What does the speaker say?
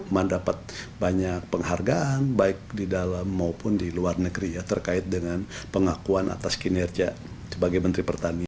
mendapat banyak penghargaan baik di dalam maupun di luar negeri ya terkait dengan pengakuan atas kinerja sebagai menteri pertanian